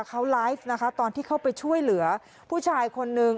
เขาไลฟ์นะคะตอนที่เข้าไปช่วยเหลือผู้ชายคนนึง